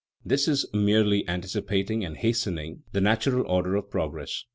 This is merely anticipating and hastening the natural order of progress.